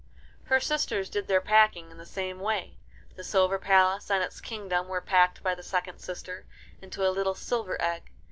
Her sisters did their packing in the same way. The silver palace and its kingdom were packed by the second sister into a little silver egg.